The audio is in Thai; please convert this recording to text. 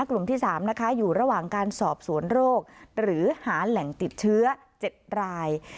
กลุ่มที่๓นะคะอยู่ระหว่างการสอบสวนโรคหรือหาแหล่งติดเชื้อ๗ราย